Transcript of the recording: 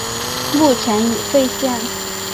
目前已废线。